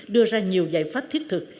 đưa ra nhiều giải pháp thiết thực